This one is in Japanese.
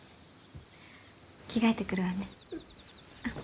着替えてくるわね。